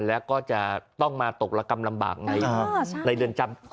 แล้วก็จะต้องมาตกระกำลำบากในเรือนจำ